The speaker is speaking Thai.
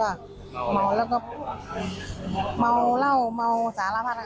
เมาเท่านั้นก็เมาลาวเมาสระภาตนะคะ